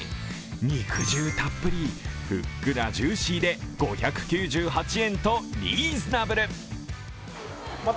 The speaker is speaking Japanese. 肉汁たっぷり、ふっくらジューシーで５９８円とリーズナブル。